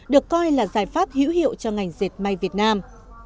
được coi là giải pháp hữu hiệu cho ngành diệt mạng việt nam